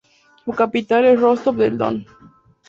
Su capital es Rostov del Don.